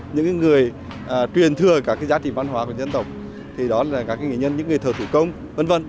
những người truyền thừa các giá trị văn hóa của dân tộc thì đó là các nghị nhân những người thờ thủ công v v